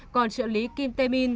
còn trợ lý kim tae min